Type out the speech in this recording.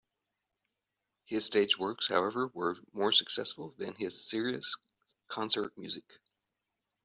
His stage works, however, were more successful than his serious concert music.